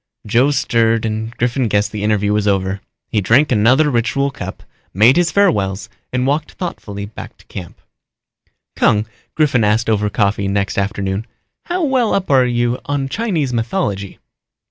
Joe stirred and Griffin guessed the interview was over. He drank another ritual cup, made his farewells and walked thoughtfully back to camp. "Kung," Griffin asked over coffee next afternoon, "how well up are you on Chinese mythology?"